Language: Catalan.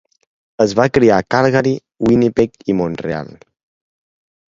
Es va criar a Calgary, Winnipeg, i Mont-real.